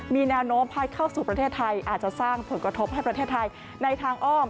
มีแนวโน้มพัดเข้าสู่ประเทศไทยอาจจะสร้างผลกระทบให้ประเทศไทยในทางอ้อม